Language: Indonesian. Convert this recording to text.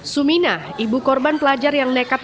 suminah ibu korban pelajar yang nekat